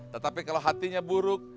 tetapi kalau hatinya buruk